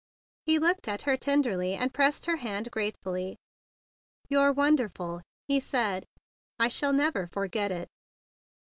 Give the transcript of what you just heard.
He looked at her tenderly, and pressed her hand gratefully. "You're wonderful!" he said. "I shall never forget it."